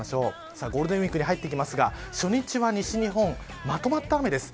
ゴールデンウイークに入っていきますが初日は西日本まとまった雨です。